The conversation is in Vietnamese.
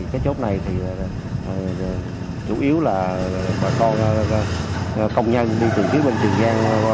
cái chốt này thì chủ yếu là bà con công nhân đi từ phía bên tiền giang